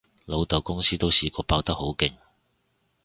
老豆公司都試過爆得好勁